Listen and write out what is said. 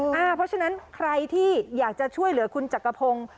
เพราะฉะนั้นใครที่อยากจะช่วยเหลือคุณจักรพงศ์